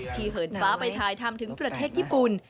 เหินฟ้าไปถ่ายทำถึงประเทศญี่ปุ่น